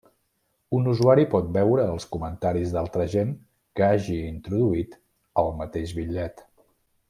Un usuari pot veure els comentaris d'altra gent que hagi introduït el mateix bitllet.